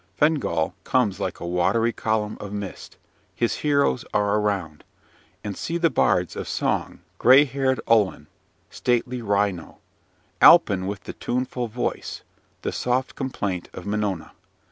Fingal comes like a watery column of mist! his heroes are around: and see the bards of song, gray haired Ullin! stately Ryno! Alpin with the tuneful voice: the soft complaint of Minona!